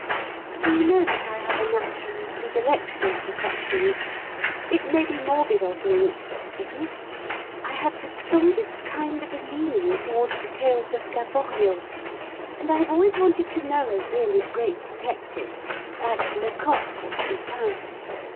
Do you know that I have a natural predilection for such things? It may be morbid of me is it? but I have the strongest kind of a leaning toward the tales of Gaboriau; and I have always wanted to know a really great detective like Lecocq, or Dupin.